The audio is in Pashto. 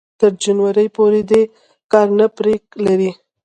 تر جنوري پورې دې کار نه پرې لري